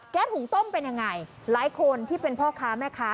หุงต้มเป็นยังไงหลายคนที่เป็นพ่อค้าแม่ค้า